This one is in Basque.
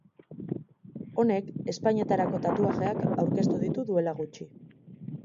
Honek, ezpainetarako tatuajeak aurkeztu ditu duela gutxi.